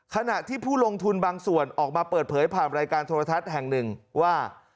ขณะที่ผู้ลงทุนบางส่วนออกมาเปิดเผยผ่านรายการโทรทัศน์แห่งหนึ่งว่า